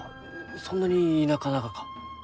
そんなに田舎ながか？